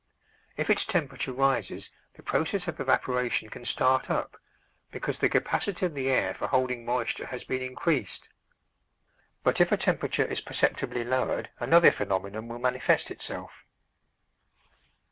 If its temperature rises the process of evaporation can start up, because the capacity of the air for holding moisture has been increased. But if a temperature is perceptibly lowered another phenomenon will manifest itself.